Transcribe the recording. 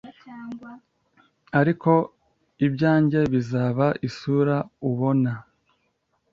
Ariko ibyanjye bizaba isura ubona